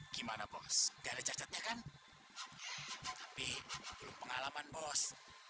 gimana bos dari cacatnya kan tapi pengalaman bos